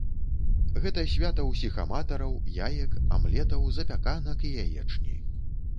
Гэта свята ўсіх аматараў яек, амлетаў, запяканак і яечні.